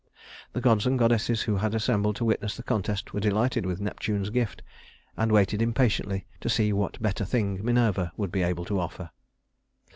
The gods and goddesses who had assembled to witness the contest were delighted with Neptune's gift, and waited impatiently to see what better thing Minerva would be able to offer.